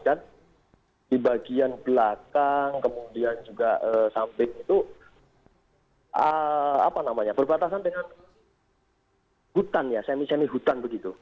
di bagian belakang kemudian juga samping itu berbatasan dengan hutan ya semi semi hutan begitu